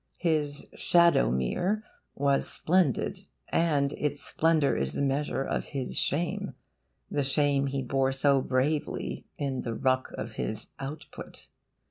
His SHADOWMERE was splendid, and its splendour is the measure of his shame the shame he bore so bravely in the ruck of his 'output.